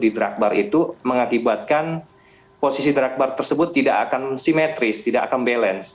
di drug bar itu mengakibatkan posisi drug bar tersebut tidak akan simetris tidak akan balance